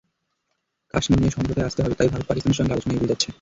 কাশ্মীর নিয়ে সমঝোতায় আসতে হবে তাই ভারত পাকিস্তানের সঙ্গে আলোচনা এড়িয়ে যাচ্ছে।